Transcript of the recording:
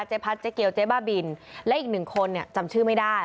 เจ๊พัดเจ๊เกลเจ๊บ้าบิลและอีก๑คนจำชื่อไม่ได้